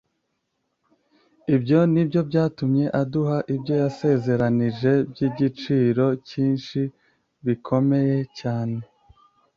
"ibyo ni byo byatumye aduha ibyo yasezeranije by'igiciro cyinshi, bikomeye cyane,